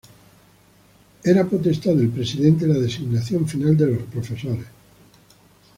Era potestad del presidente la designación final de los profesores.